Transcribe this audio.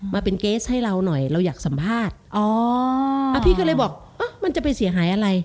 มาเป็นเกสให้เราหน่อยเราอยากสัมภาษณ์อ๋อพี่ก็เลยบอกเออมันจะไปเสียหายอะไร